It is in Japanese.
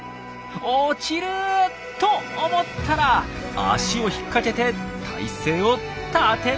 落ちる！と思ったら足を引っ掛けて体勢を立て直します。